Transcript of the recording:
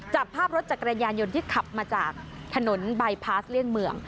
จับภาพรถจักรยานยนต์ที่ขับมาจากถนนบายพาสเลี่ยงเมือง